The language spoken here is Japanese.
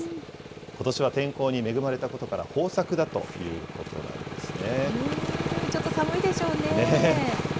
ことしは天候に恵まれたことから、豊作だということなんですね。